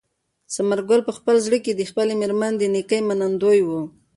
ثمر ګل په خپل زړه کې د خپلې مېرمنې د نېکۍ منندوی و.